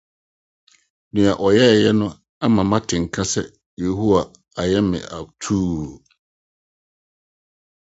Nea wɔyɛe no ama mete nka sɛ Yehowa ayɛ me atuu. ”